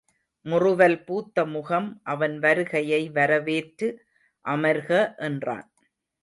முறுவல் பூத்த முகம் அவன் வருகையை வரவேற்று அமர்க என்றான்.